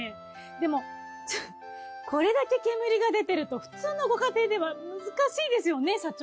でもちょっとこれだけ煙が出てると普通のご家庭では難しいですよね社長。